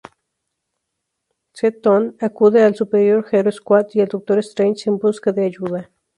Chthon acude al Super Hero Squad y al Doctor Strange en busca de ayuda.